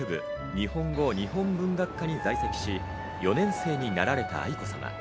日本語日本文学科に在籍し、４年生になられた愛子さま。